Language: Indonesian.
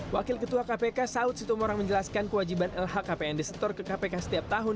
wakil ketua kpk saud sitomorang menjelaskan kewajiban lhkpn di setor ke kpk setiap tahun